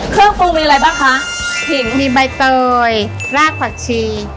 เครื่องปรุงมีอะไรบ้างคะผิงมีใบเตยรากผักชี